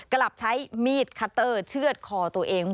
กลับใช้มีดคัตเตอร์เชื่อดคอตัวเอง